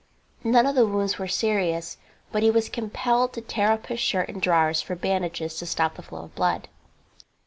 None of the wounds were serious, but he was compelled to tear up his shirt and drawers for bandages to stop the flow of blood.